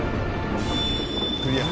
クリア。